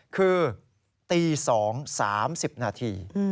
คือตี๒๓๐นาที